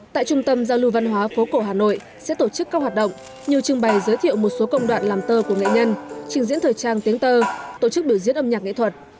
tại trung tâm giao lưu văn hóa phố cổ hà nội sẽ tổ chức các hoạt động như trưng bày giới thiệu một số công đoạn làm tơ của nghệ nhân trình diễn thời trang tiếng tơ tổ chức biểu diễn âm nhạc nghệ thuật